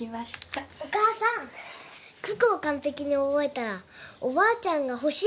お母さん九九を完璧に覚えたらおばあちゃんが欲しいものくれるって。